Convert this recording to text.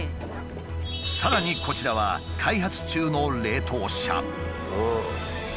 さらにこちらは開発中の冷凍車。